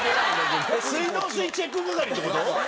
水道水チェック係って事？